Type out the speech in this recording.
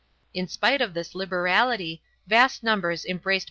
In spite of this liberality, vast numbers 1 Concil.